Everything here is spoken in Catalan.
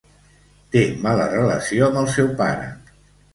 Té mala relació amb el seu pare.